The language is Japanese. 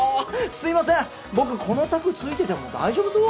すいません僕この卓付いてても大丈夫そう？